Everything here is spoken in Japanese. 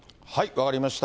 分かりました。